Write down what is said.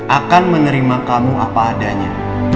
akan menerima kamu apa adanya